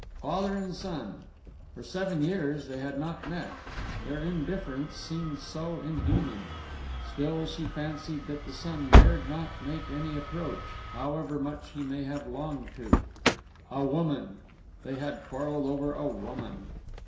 Father and son! For seven years they had not met. Their indifference seemed so inhuman! Still, she fancied that the son dared not make any approach, however much he may have longed to. A woman! They had quarrelled over a woman!